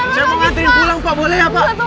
saya mau ngantri pulang pak boleh ya pak